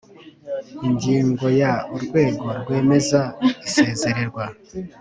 ingingo ya urwego rwemeza isezererwa